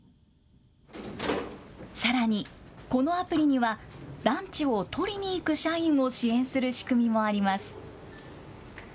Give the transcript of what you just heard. さらに、このアプリにはランチを取りにいく社員を支援する仕組みもあります。